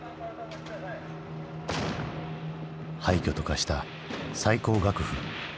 廃虚と化した最高学府。